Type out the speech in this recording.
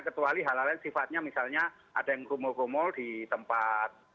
kecuali hal hal lain sifatnya misalnya ada yang rumuh rumuh di tempat